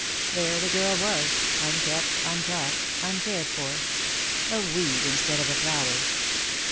There the girl was, unkempt, untaught, uncared for — a weed instead of a flower.